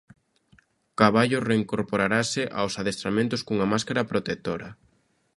Caballo reincorporarase aos adestramentos cunha máscara protectora.